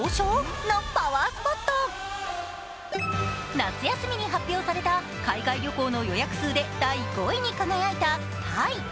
夏休みに発表された海外旅行の予約数で第５位に輝いたタイ。